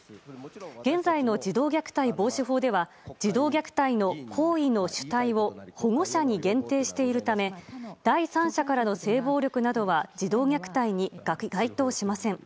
現在の児童虐待防止法では児童虐待の行為の主体を保護者に限定しているため第三者からの性暴力などは児童虐待に該当しません。